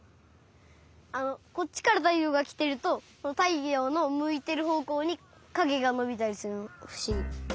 あのこっちからたいようがきてるとたいようのむいてるほうこうにかげがのびたりするのふしぎ。